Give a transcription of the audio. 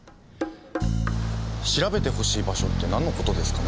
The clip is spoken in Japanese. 調べてほしい場所ってなんのことですかね。